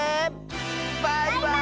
バイバーイ！